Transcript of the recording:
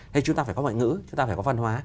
hay chúng ta phải có ngoại ngữ chúng ta phải có văn hóa